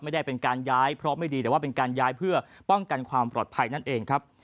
ไม่ได้เป็นการย้ายเพราะไม่ดีแต่ว่าเป็นการย้ายเพื่อป้องกันความปลอดภัยนั่นเองครับ